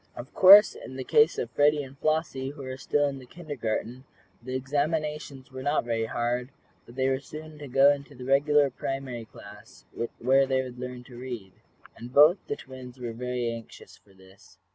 Of course in the case of Freddie and Flossie, who were still in the kindergarten, the examinations were not very hard, but they were soon to go into the regular primary class, where they would learn to read. And both the twins were very anxious for this.